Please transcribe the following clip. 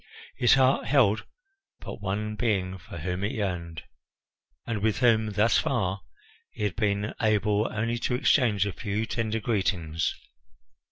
His heart held but one being for whom it yearned, and with whom thus far he had been able only to exchange a few tender greetings.